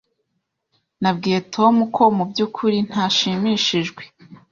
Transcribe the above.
Nabwiye Tom ko mubyukuri ntashimishijwe.